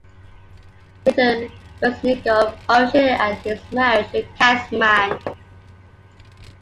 Later, Resnicoff officiated at his marriage to Katzman.